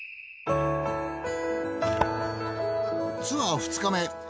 ツアー２日目。